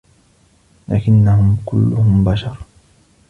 لكنهم كلهم بشر.